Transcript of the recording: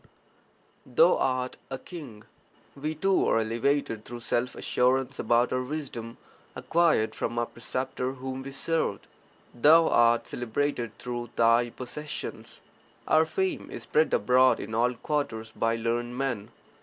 Thou art a king; we too are elevated through self assurance about our wisdom acquired from our preceptor whom we served. Thou art celebrated through thy possessions; our fame is spread abroad in all quarters by learned men.